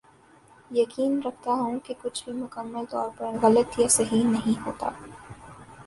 یقین رکھتا ہوں کہ کچھ بھی مکمل طور پر غلط یا صحیح نہیں ہوتا